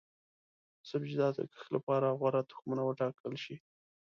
د سبزیجاتو د کښت لپاره غوره تخمونه وټاکل شي.